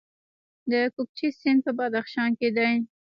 د کوکچې سیند په بدخشان کې دی